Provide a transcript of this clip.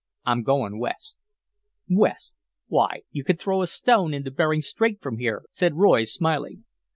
I'm goin' west." "West! Why, you can throw a stone into Bering Strait from here," said Roy, smiling.